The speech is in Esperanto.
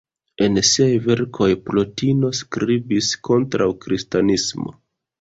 En siaj verkoj, Plotino skribis kontraŭ kristanismo.